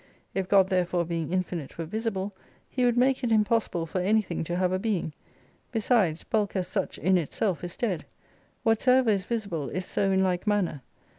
If God therefore being infinite were visible He would make it impossible for anything to have a being. Besides, bulk as such in itself is dead. "Whatsoever is visible is so in like manner.